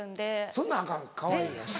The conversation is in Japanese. そんなんアカンかわいいやん。